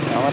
nó mới nói